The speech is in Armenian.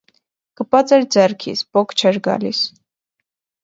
կպած էր ձեռքիս, պոկ չէր գալիս…